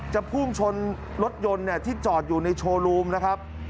พุ่งชนรถยนต์ที่จอดอยู่ในโชว์รูมนะครับ